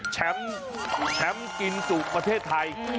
แชมป์กินจุประเทศไทย